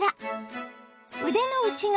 腕の内側